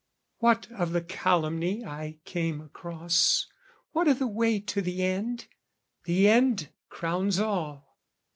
What of the calumny I came across, What o' the way to the end? the end crowns all.